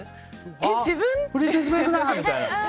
プリンセス・メグだ！みたいな。